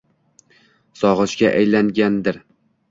sog‘inchga aylangandir.